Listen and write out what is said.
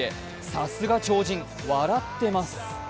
さすが超人、笑ってます。